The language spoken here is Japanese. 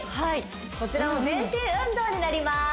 こちらも全身運動になります